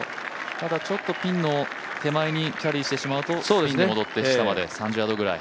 ただ、ちょっとピンの手前にキャリーしてしまうとスピンで戻って３０ヤードくらい。